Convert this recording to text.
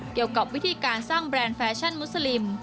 เกี่ยวกับวิธีการสร้างแบรนด์แฟชั่นมุสลิม